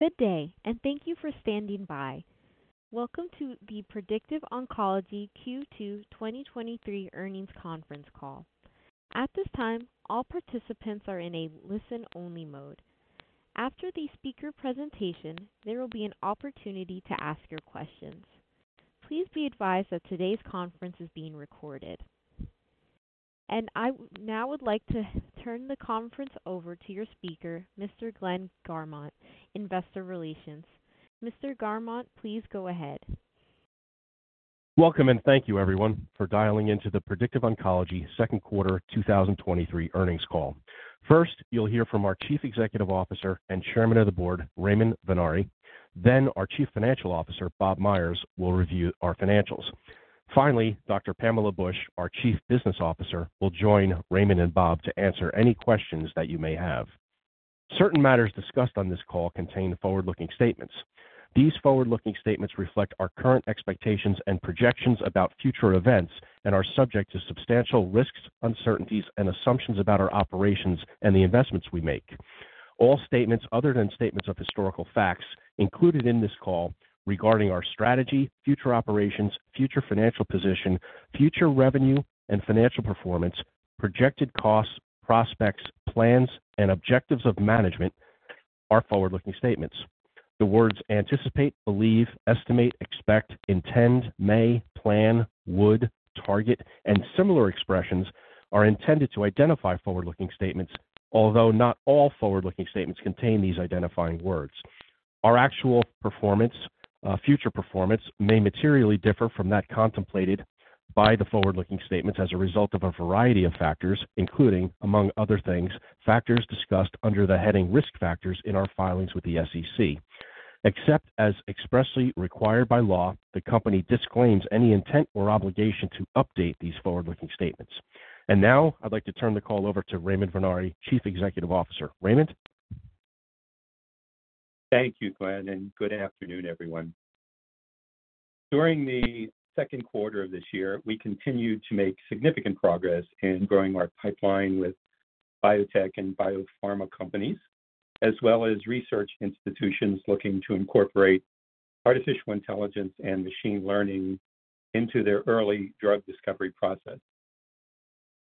Good day, and thank you for standing by. Welcome to the Predictive Oncology Q2 2023 earnings conference call. At this time, all participants are in a listen-only mode. After the speaker presentation, there will be an opportunity to ask your questions. Please be advised that today's conference is being recorded. I now would like to turn the conference over to your speaker, Mr. Glenn Garmont, Investor Relations. Mr. Garmont, please go ahead. Welcome, thank you, everyone, for dialing in to the Predictive Oncology second quarter 2023 earnings call. First, you'll hear from our Chief Executive Officer and Chairman of the Board, Raymond Vennare. Our Chief Financial Officer, Bob Myers, will review our financials. Finally, Dr. Pamela Bush, our Chief Business Officer, will join Raymond and Bob to answer any questions that you may have. Certain matters discussed on this call contain forward-looking statements. These forward-looking statements reflect our current expectations and projections about future events and are subject to substantial risks, uncertainties, and assumptions about our operations and the investments we make. All statements other than statements of historical facts included in this call regarding our strategy, future operations, future financial position, future revenue and financial performance, projected costs, prospects, plans, and objectives of management are forward-looking statements. The words anticipate, believe, estimate, expect, intend, may, plan, would, target, and similar expressions are intended to identify forward-looking statements, although not all forward-looking statements contain these identifying words. Our actual performance, future performance may materially differ from that contemplated by the forward-looking statements as a result of a variety of factors, including, among other things, factors discussed under the heading Risk Factors in our filings with the SEC. Except as expressly required by law, the company disclaims any intent or obligation to update these forward-looking statements. Now I'd like to turn the call over to Raymond Venari, Chief Executive Officer. Raymond? Thank you, Glenn. Good afternoon, everyone. During the second quarter of this year, we continued to make significant progress in growing our pipeline with biotech and biopharma companies, as well as research institutions looking to incorporate artificial intelligence and machine learning into their early drug discovery process.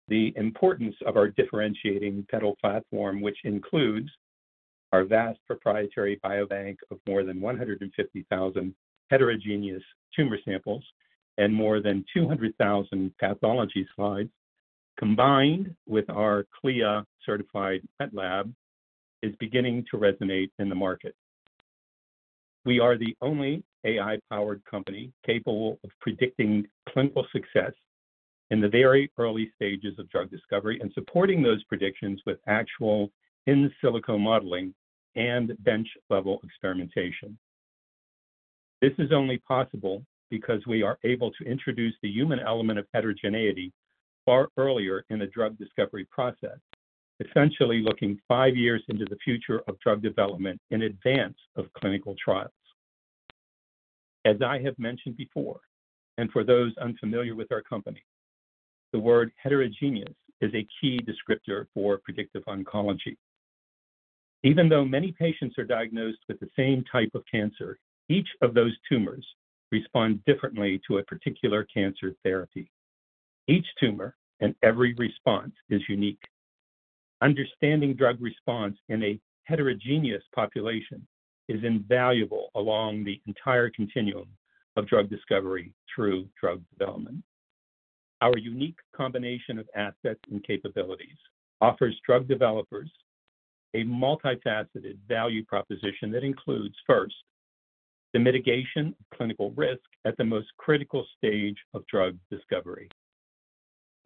The importance of our differentiating PeDAL platform, which includes our vast proprietary biobank of more than 150,000 heterogeneous tumor samples and more than 200,000 pathology slides, combined with our CLIA-certified PeDAL lab, is beginning to resonate in the market. We are the only AI-powered company capable of predicting clinical success in the very early stages of drug discovery and supporting those predictions with actual in silico modeling and bench-level experimentation. This is only possible because we are able to introduce the human element of heterogeneity far earlier in the drug discovery process, essentially looking five years into the future of drug development in advance of clinical trials. As I have mentioned before, and for those unfamiliar with our company, the word heterogeneous is a key descriptor for predictive oncology. Even though many patients are diagnosed with the same type of cancer, each of those tumors respond differently to a particular cancer therapy. Each tumor and every response is unique. Understanding drug response in a heterogeneous population is invaluable along the entire continuum of drug discovery through drug development. Our unique combination of assets and capabilities offers drug developers a multifaceted value proposition that includes, first, the mitigation of clinical risk at the most critical stage of drug discovery.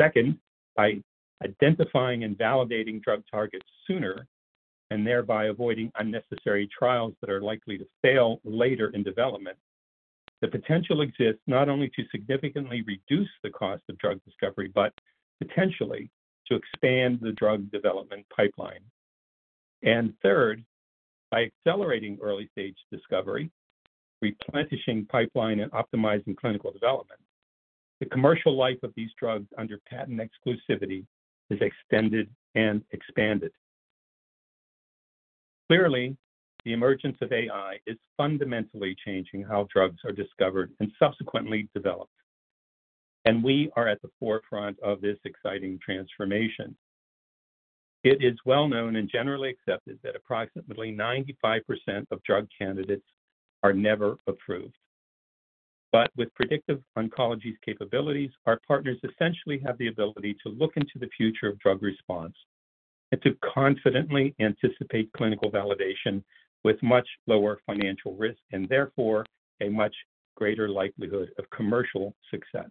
Second, by identifying and validating drug targets sooner and thereby avoiding unnecessary trials that are likely to fail later in development, the potential exists not only to significantly reduce the cost of drug discovery, but potentially to expand the drug development pipeline. Third, by accelerating early-stage discovery, replenishing pipeline, and optimizing clinical development, the commercial life of these drugs under patent exclusivity is extended and expanded. Clearly, the emergence of AI is fundamentally changing how drugs are discovered and subsequently developed, and we are at the forefront of this exciting transformation. It is well known and generally accepted that approximately 95% of drug candidates are never approved. With Predictive Oncology's capabilities, our partners essentially have the ability to look into the future of drug response and to confidently anticipate clinical validation with much lower financial risk and therefore a much greater likelihood of commercial success.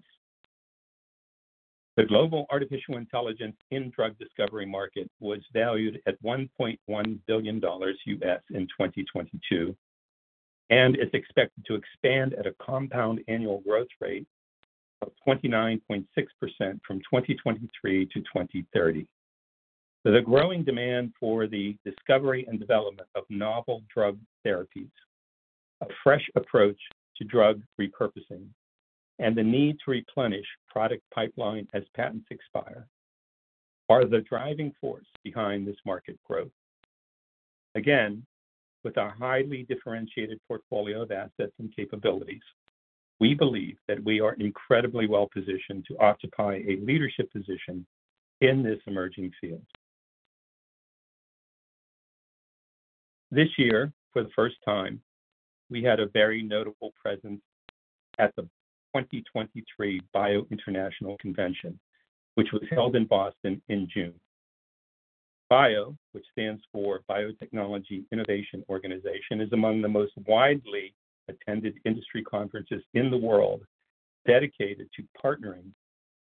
The global artificial intelligence in drug discovery market was valued at $1.1 billion in 2022, and it's expected to expand at a compound annual growth rate of 29.6% from 2023 to 2030. The growing demand for the discovery and development of novel drug therapies, a fresh approach to drug repurposing, and the need to replenish product pipeline as patents expire-... are the driving force behind this market growth. Again, with our highly differentiated portfolio of assets and capabilities, we believe that we are incredibly well-positioned to occupy a leadership position in this emerging field. This year, for the first time, we had a very notable presence at the 2023 BIO International Convention, which was held in Boston in June. BIO, which stands for Biotechnology Innovation Organization, is among the most widely attended industry conferences in the world, dedicated to partnering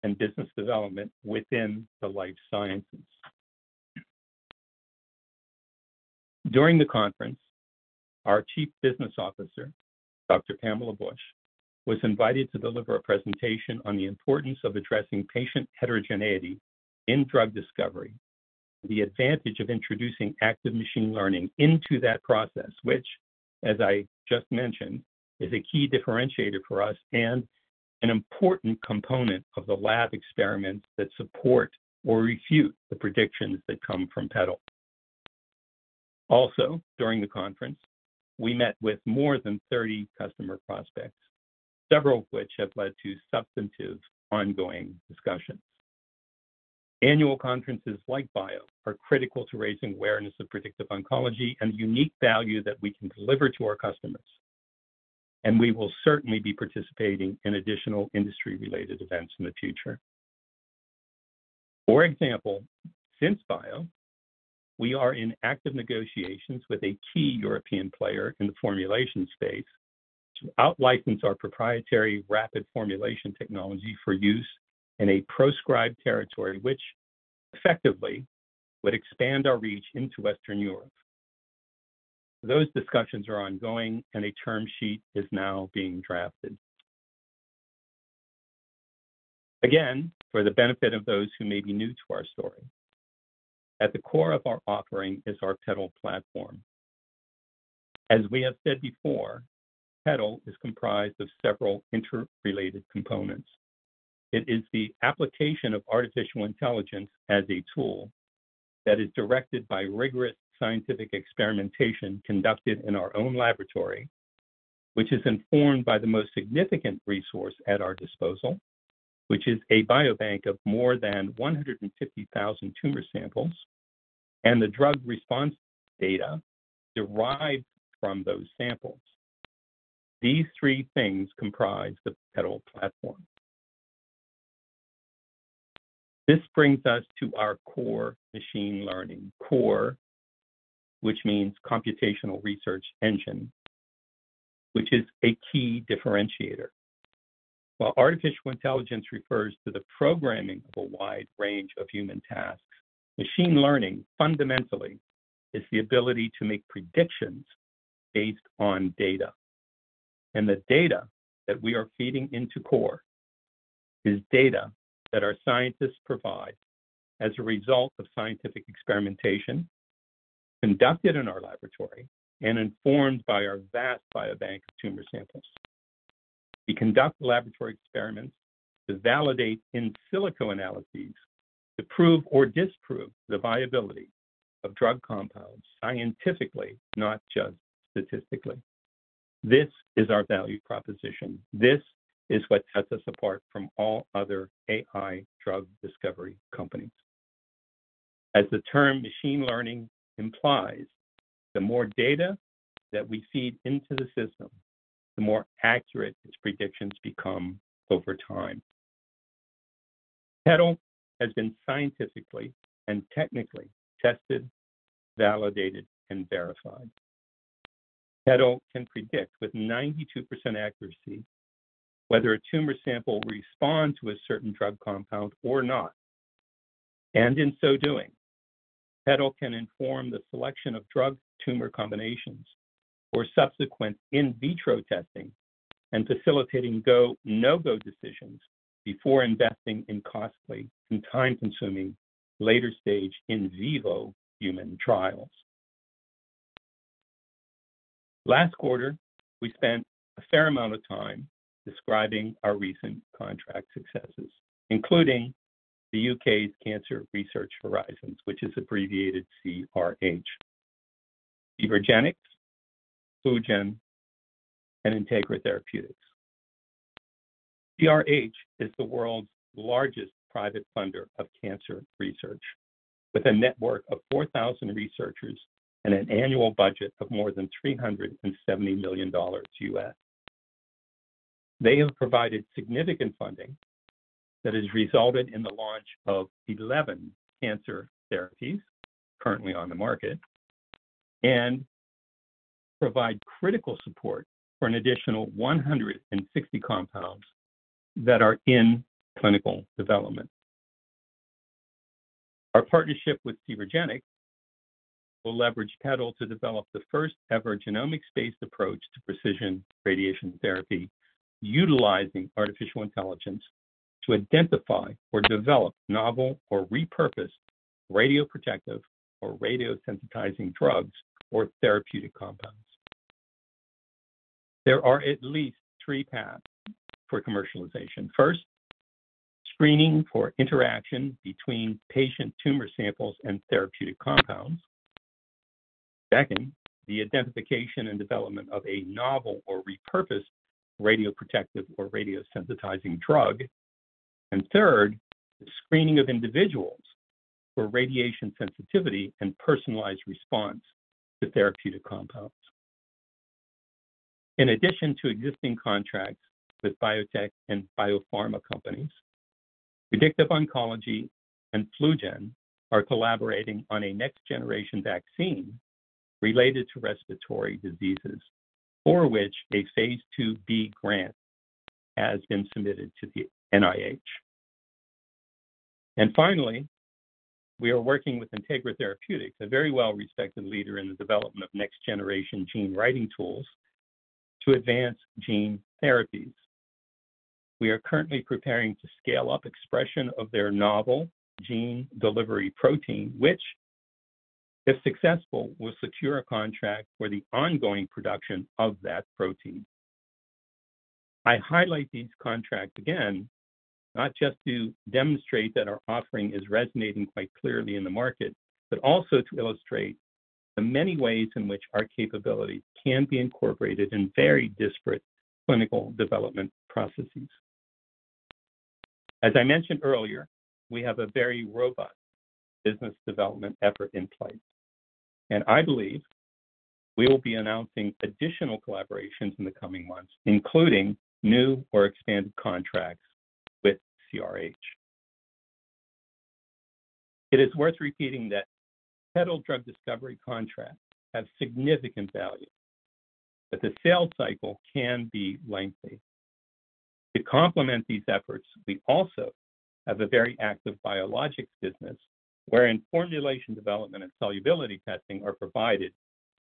and business development within the life sciences. During the conference, our Chief Business Officer, Dr. Pamela Bush, was invited to deliver a presentation on the importance of addressing patient heterogeneity in drug discovery, the advantage of introducing active machine learning into that process, which, as I just mentioned, is a key differentiator for us and an important component of the lab experiments that support or refute the predictions that come from PeDAL. During the conference, we met with more than 30 customer prospects, several of which have led to substantive, ongoing discussions. Annual conferences like BIO are critical to raising awareness of Predictive Oncology and the unique value that we can deliver to our customers. We will certainly be participating in additional industry-related events in the future. For example, since BIO, we are in active negotiations with a key European player in the formulation space to outlicense our proprietary rapid formulation technology for use in a proscribed territory, which effectively would expand our reach into Western Europe. Those discussions are ongoing, and a term sheet is now being drafted. Again, for the benefit of those who may be new to our story, at the core of our offering is our PeDAL platform. As we have said before, PeDAL is comprised of several interrelated components. It is the application of artificial intelligence as a tool that is directed by rigorous scientific experimentation conducted in our own laboratory, which is informed by the most significant resource at our disposal, which is a biobank of more than 150,000 tumor samples and the drug response data derived from those samples. These three things comprise the PeDAL platform. This brings us to our CoRE machine learning CoRE, which means Computational Research Engine, which is a key differentiator. While artificial intelligence refers to the programming of a wide range of human tasks, machine learning, fundamentally, is the ability to make predictions based on data. The data that we are feeding into CoRE is data that our scientists provide as a result of scientific experimentation conducted in our laboratory and informed by our vast biobank of tumor samples. We conduct laboratory experiments to validate in silico analyses, to prove or disprove the viability of drug compounds scientifically, not just statistically. This is our value proposition. This is what sets us apart from all other AI drug discovery companies. As the term machine learning implies, the more data that we feed into the system, the more accurate its predictions become over time. PeDAL has been scientifically and technically tested, validated, and verified. PeDAL can predict with 92% accuracy whether a tumor sample will respond to a certain drug compound or not. In so doing, PeDAL can inform the selection of drug-tumor combinations for subsequent in vitro testing and facilitating go, no-go decisions before investing in costly and time-consuming later-stage in vivo human trials. Last quarter, we spent a fair amount of time describing our recent contract successes, including the U.K.'s Cancer Research Horizons, which is abbreviated CRH, Cvergenx, FluGen, and Integra Therapeutics. CRH is the world's largest private funder of cancer research, with a network of 4,000 researchers and an annual budget of more than $370 million. They have provided significant funding that has resulted in the launch of 11 cancer therapies currently on the market and provide critical support for an additional 160 compounds that are in clinical development. Our partnership with Cvergenx will leverage PeDAL to develop the first-ever genomic space approach to precision radiation therapy, utilizing artificial intelligence to identify or develop novel or repurposed radioprotective or radiosensitizing drugs or therapeutic compounds. There are at least three paths for commercialization. First, screening for interaction between patient tumor samples and therapeutic compounds. Second, the identification and development of a novel or repurposed radioprotective or radiosensitizing drug. Third, the screening of individuals for radiation sensitivity and personalized response to therapeutic compounds. In addition to existing contracts with biotech and biopharma companies, Predictive Oncology and FluGen are collaborating on a next-generation vaccine related to respiratory diseases, for which a Phase IIb grant has been submitted to the NIH. Finally, we are working with Integra Therapeutics, a very well-respected leader in the development of next-generation gene writing tools, to advance gene therapies. We are currently preparing to scale up expression of their novel gene delivery protein, which, if successful, will secure a contract for the ongoing production of that protein. I highlight these contracts again, not just to demonstrate that our offering is resonating quite clearly in the market, but also to illustrate the many ways in which our capabilities can be incorporated in very disparate clinical development processes. As I mentioned earlier, we have a very robust business development effort in place, and I believe we will be announcing additional collaborations in the coming months, including new or expanded contracts with CRH. It is worth repeating that PeDAL drug discovery contracts have significant value, but the sales cycle can be lengthy. To complement these efforts, we also have a very active biologics business, wherein formulation development and solubility testing are provided,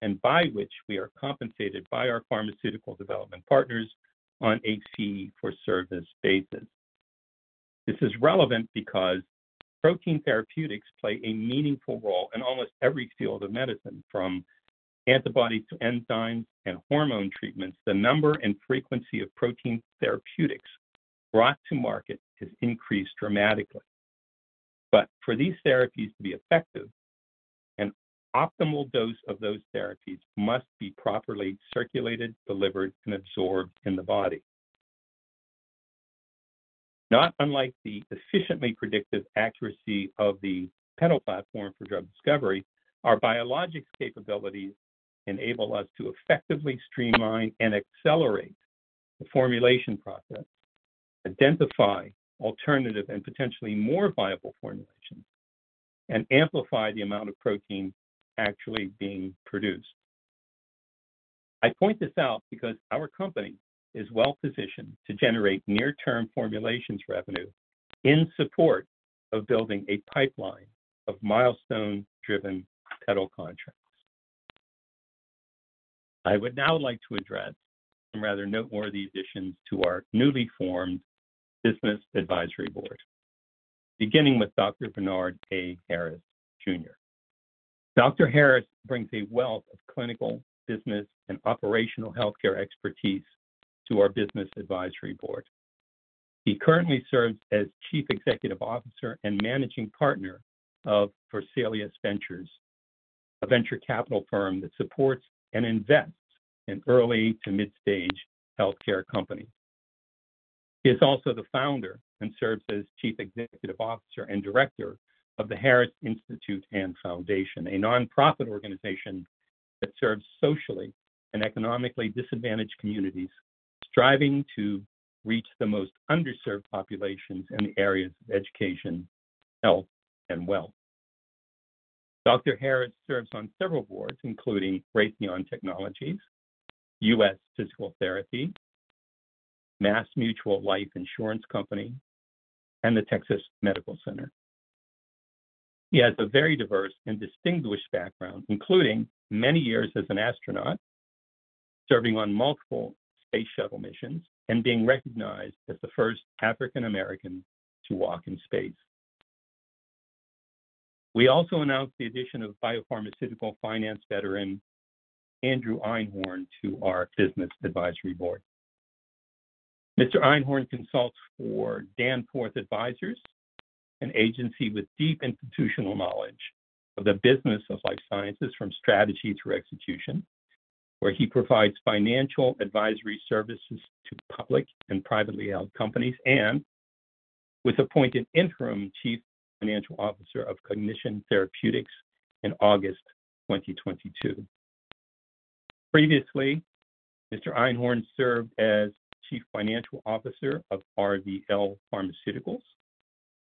and by which we are compensated by our pharmaceutical development partners on a fee-for-service basis. This is relevant because protein therapeutics play a meaningful role in almost every field of medicine, from antibodies to enzymes and hormone treatments, the number and frequency of protein therapeutics brought to market has increased dramatically. For these therapies to be effective, an optimal dose of those therapies must be properly circulated, delivered, and absorbed in the body. Not unlike the efficiently predictive accuracy of the PeDAL platform for drug discovery, our biologics capabilities enable us to effectively streamline and accelerate the formulation process, identify alternative and potentially more viable formulations, and amplify the amount of protein actually being produced. I point this out because our company is well positioned to generate near-term formulations revenue in support of building a pipeline of milestone-driven PeDAL contracts. I would now like to address some rather noteworthy additions to our newly formed Business Advisory Board, beginning with Dr. Bernard A. Harris Jr. Dr. Harris brings a wealth of clinical, business, and operational healthcare expertise to our Business Advisory Board. He currently serves as Chief Executive Officer and Managing Partner of Porcelius Ventures, a venture capital firm that supports and invests in early to mid-stage healthcare companies. He is also the founder and serves as Chief Executive Officer and Director of the Harris Institute and Foundation, a nonprofit organization that serves socially and economically disadvantaged communities, striving to reach the most underserved populations in the areas of education, health, and wealth. Dr. Harris serves on several boards, including Raytheon Technologies, U.S. Physical Therapy, Massachusetts Mutual Life Insurance Company, and the Texas Medical Center. He has a very diverse and distinguished background, including many years as an astronaut, serving on multiple space shuttle missions and being recognized as the first African American to walk in space. We also announced the addition of biopharmaceutical finance veteran, Andrew Einhorn, to our Business Advisory Board. Mr. Einhorn consults for Danforth Advisors, an agency with deep institutional knowledge of the business of life sciences from strategy through execution, where he provides financial advisory services to public and privately held companies, and was appointed Interim Chief Financial Officer of Cognition Therapeutics in August 2022. Previously, Mr. Einhorn served as Chief Financial Officer of RDL Pharmaceuticals,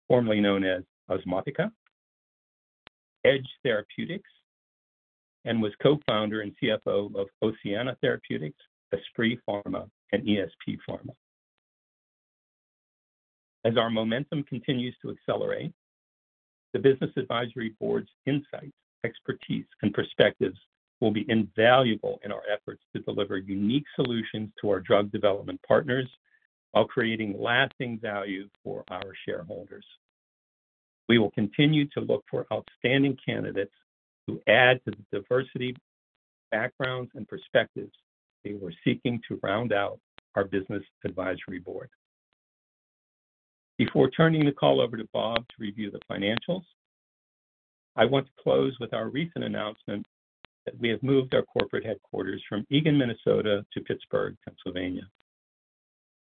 formerly known as Osmotica, Edge Therapeutics, and was Co-founder and CFO of Oceana Therapeutics, Esprit Pharma, and ESP Pharma. As our momentum continues to accelerate, the Business Advisory Board's insights, expertise, and perspectives will be invaluable in our efforts to deliver unique solutions to our drug development partners while creating lasting value for our shareholders. We will continue to look for outstanding candidates who add to the diversity, backgrounds, and perspectives we were seeking to round out our Business Advisory Board. Before turning the call over to Bob to review the financials, I want to close with our recent announcement that we have moved our corporate headquarters from Eagan, Minnesota, to Pittsburgh, Pennsylvania.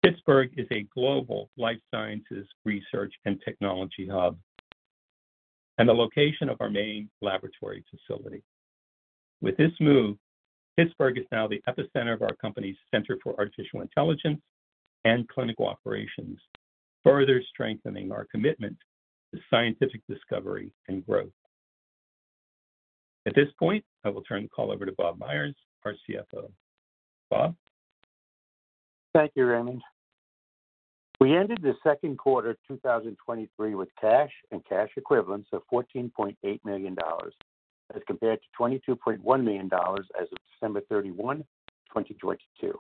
Pittsburgh is a global life sciences research and technology hub and the location of our main laboratory facility. With this move, Pittsburgh is now the epicenter of our company's Center for Artificial Intelligence and Clinical Operations, further strengthening our commitment to scientific discovery and growth. At this point, I will turn the call over to Bob Myers, our CFO. Bob? Thank you, Raymond. We ended the second quarter of 2023 with cash and cash equivalents of $14.8 million, as compared to $22.1 million as of December 31, 2022.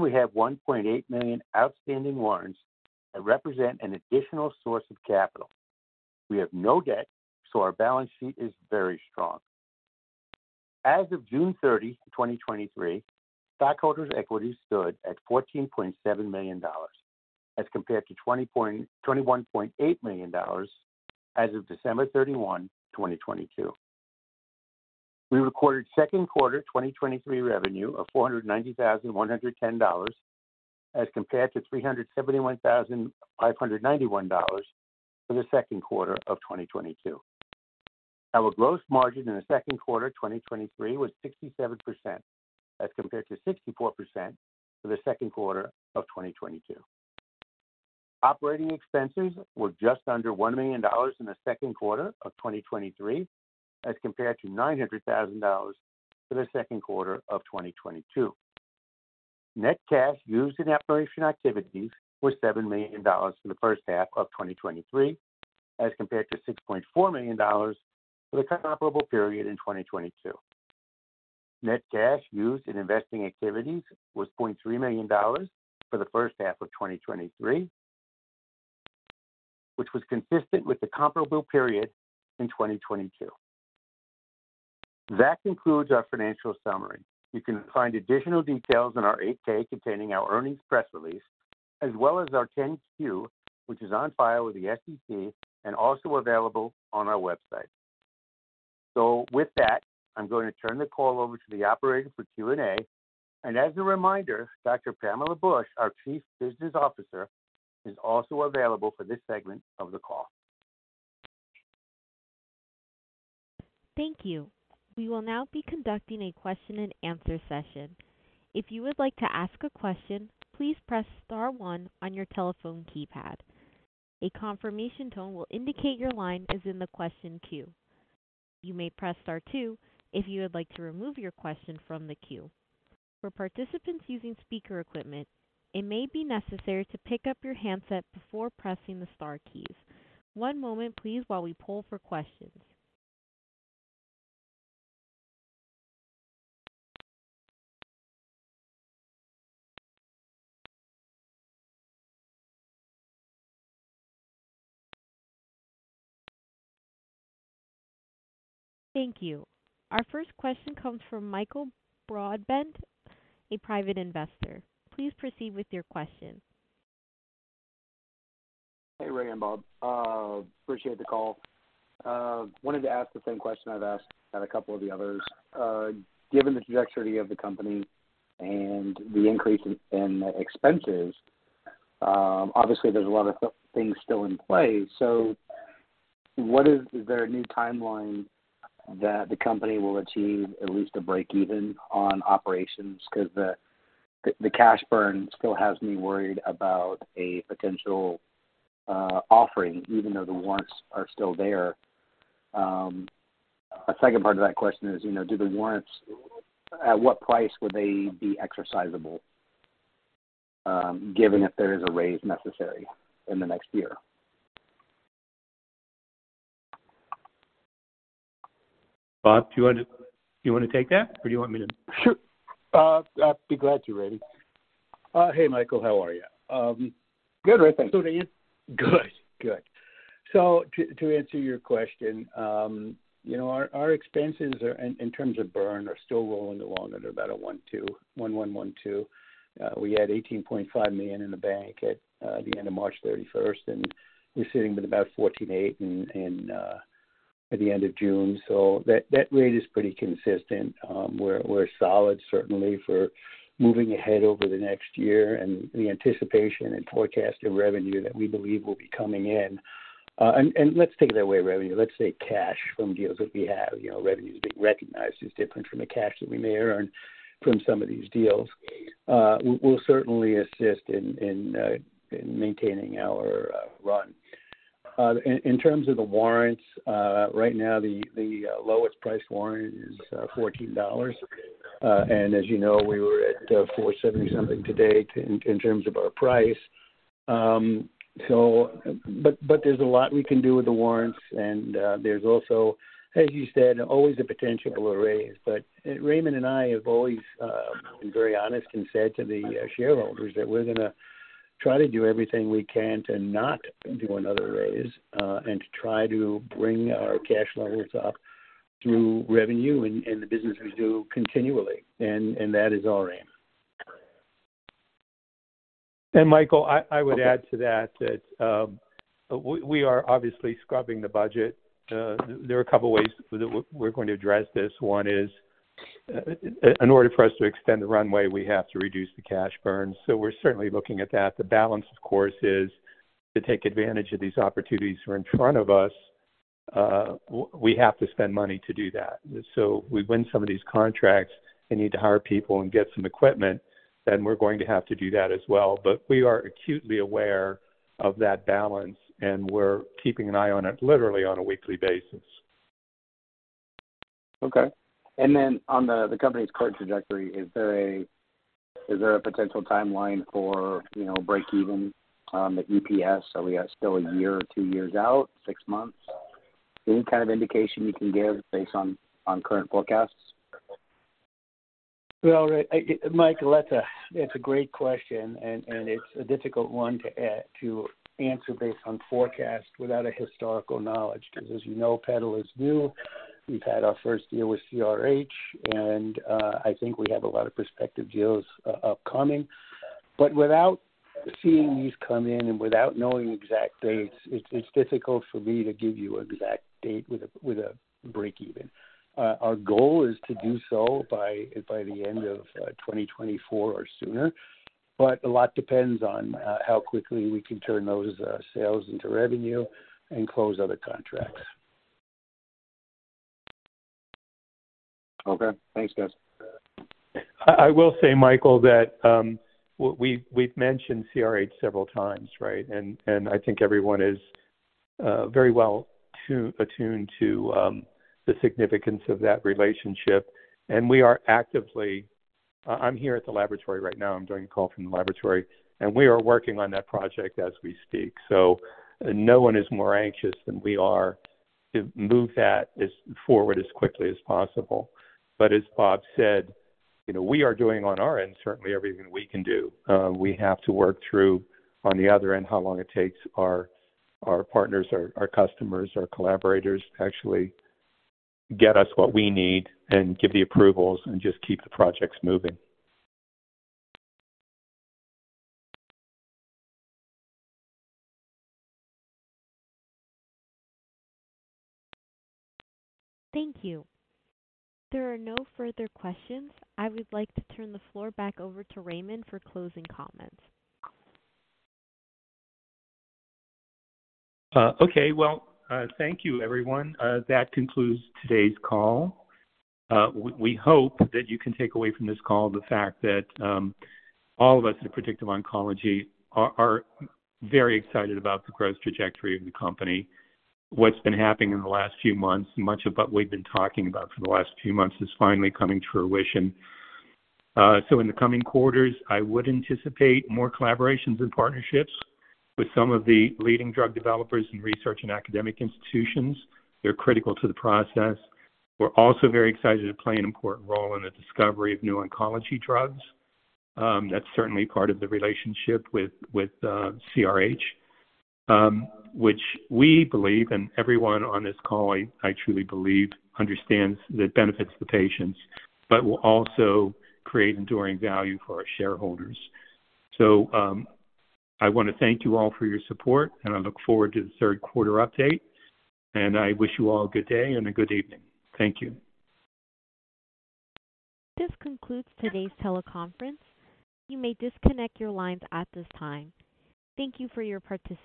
We have 1.8 million outstanding warrants that represent an additional source of capital. We have no debt, our balance sheet is very strong. As of June 30, 2023, stockholders' equity stood at $14.7 million, as compared to $21.8 million as of December 31, 2022. We recorded second quarter 2023 revenue of $490,110, as compared to $371,591 for the second quarter of 2022. Our gross margin in the second quarter, 2023, was 67%, as compared to 64% for the second quarter of 2022. Operating expenses were just under $1 million in the second quarter of 2023, as compared to $900,000 for the second quarter of 2022. Net cash used in operation activities was $7 million in the first half of 2023, as compared to $6.4 million for the comparable period in 2022. Net cash used in investing activities was $0.3 million for the first half of 2023, which was consistent with the comparable period in 2022. That concludes our financial summary. You can find additional details in our 8-K containing our earnings press release, as well as our 10-Q, which is on file with the SEC and also available on our website. With that, I'm going to turn the call over to the operator for Q&A. As a reminder, Dr. Pamela Bush, our Chief Business Officer, is also available for this segment of the call. Thank you. We will now be conducting a question and answer session. If you would like to ask a question, please press star one on your telephone keypad. A confirmation tone will indicate your line is in the question queue. You may press star two if you would like to remove your question from the queue. For participants using speaker equipment, it may be necessary to pick up your handset before pressing the star keys. One moment, please, while we poll for questions. Thank you. Our first question comes from Michael Broadwick, a private investor. Please proceed with your question. Hey, Ray and Bob. Appreciate the call. Wanted to ask the same question I've asked at a couple of the others. Given the trajectory of the company and the increase in, in expenses, obviously there's a lot of things still in play. Is there a new timeline that the company will achieve at least a break even on operations? Because the cash burn still has me worried about a potential offering, even though the warrants are still there. A second part of that question is, you know, do the warrants, at what price would they be exercisable, given if there is a raise necessary in the next year? Bob, do you want to, do you want to take that, or do you want me to? Sure. I'd be glad to, Raymond. Hey, Michael, how are you? Good, thanks. Good, good. To, to answer your question, you know, our expenses are, in terms of burn, are still rolling along at about a $1.2, $1, $1, $1.2. We had $18.5 million in the bank at the end of March 31st, and we're sitting with about $14.8 in at the end of June. That, that rate is pretty consistent. We're, we're solid certainly for moving ahead over the next year and the anticipation and forecast of revenue that we believe will be coming in. Let's take that away, revenue. Let's say cash from deals that we have. You know, revenues being recognized is different from the cash that we may earn from some of these deals. We'll, we'll certainly assist in in maintaining our run. In terms of the warrants, right now, the lowest price warrant is $14. As you know, we were at 4.70 something today in terms of our price. There's a lot we can do with the warrants and there's also, as you said, always the potential of a raise. Raymond and I have always been very honest and said to the shareholders that we're try to do everything we can to not do another raise and to try to bring our cash levels up through revenue and the business we do continually. That is our aim. Michael, I, I would add to that, that we, we are obviously scrubbing the budget. There are a couple of ways that we're, we're going to address this. One is, in order for us to extend the runway, we have to reduce the cash burn. We're certainly looking at that. The balance, of course, is to take advantage of these opportunities who are in front of us. W- we have to spend money to do that. If we win some of these contracts and need to hire people and get some equipment, then we're going to have to do that as well. We are acutely aware of that balance, and we're keeping an eye on it literally on a weekly basis. Okay. On the company's current trajectory, is there a potential timeline for, you know, break even on the EPS? Are we at still 1 year or 2 years out, 6 months? Any indication you can give based on current forecasts? Well, I, Michael, that's a, that's a great question, and, and it's a difficult one to to answer based on forecast without a historical knowledge. Because as you know, PeDAL is new. We've had our first deal with CRH, and I think we have a lot of prospective deals upcoming. Without seeing these come in and without knowing exact dates, it's, it's difficult for me to give you exact date with a, with a break even. Our goal is to do so by, by the end of 2024 or sooner, but a lot depends on how quickly we can turn those sales into revenue and close other contracts. Okay. Thanks, guys. I, I will say, Michael, that we've, we've mentioned CRH several times, right? I think everyone is very well attuned to the significance of that relationship. We are actively. I'm here at the laboratory right now. I'm doing a call from the laboratory, and we are working on that project as we speak. No one is more anxious than we are to move that as forward as quickly as possible. As Bob said, you know, we are doing on our end, certainly everything we can do. We have to work through on the other end, how long it takes our, our partners, our, our customers, our collaborators, to actually get us what we need and give the approvals and just keep the projects moving. Thank you. There are no further questions. I would like to turn the floor back over to Raymond for closing comments. Okay. Well, thank you, everyone. That concludes today's call. We hope that you can take away from this call the fact that all of us at Predictive Oncology are very excited about the growth trajectory of the company. What's been happening in the last few months, much of what we've been talking about for the last few months is finally coming to fruition. In the coming quarters, I would anticipate more collaborations and partnerships with some of the leading drug developers in research and academic institutions. They're critical to the process. We're also very excited to play an important role in the discovery of new oncology drugs. That's certainly part of the relationship with, with CRH, which we believe, and everyone on this call, I, I truly believe, understands that benefits the patients, but will also create enduring value for our shareholders. I want to thank you all for your support, and I look forward to the third quarter update. I wish you all a good day and a good evening. Thank you. This concludes today's teleconference. You may disconnect your lines at this time. Thank you for your participation.